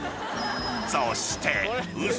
［そして］